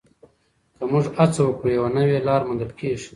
که موږ هڅه وکړو، یوه نوې لاره موندل کېږي.